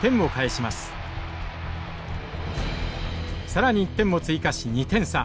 更に１点も追加し２点差。